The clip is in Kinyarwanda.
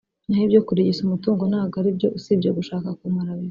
naho ibyo kurigisa umutungo ntabwo ari byo usibye gushaka kumparabika”